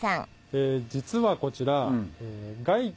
実はこちら。